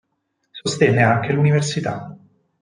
Sostenne anche l'università.